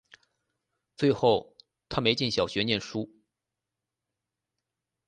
最后她没进小学念书